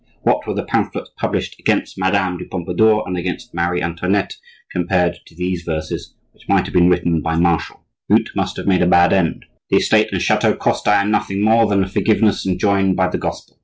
What were the pamphlets published against Madame de Pompadour and against Marie Antoinette compared to these verses, which might have been written by Martial? Voute must have made a bad end. The estate and chateau cost Diane nothing more than the forgiveness enjoined by the gospel.